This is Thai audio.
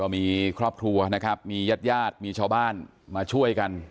มีครอบทัวร์นะครับมียาดมีชาวบ้านมาช่วยกัน